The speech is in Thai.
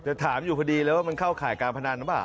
ถามอยู่พอดีเลยว่ามันเข้าข่ายการพนันหรือเปล่า